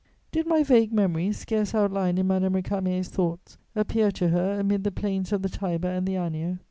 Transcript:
Did my vague memory, scarce outlined in Madame Récamier's thoughts, appear to her amid the plains of the Tiber and the Anio?